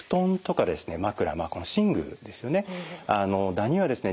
ダニはですね